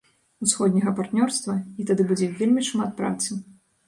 Усходняга партнёрства, і тады будзе вельмі шмат працы.